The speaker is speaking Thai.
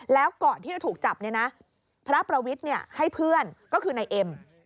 แล้วก่อนที่จะถูกจับเนี่ยนะพระประวิทย์ให้เพื่อนก็คือนายเอ็ม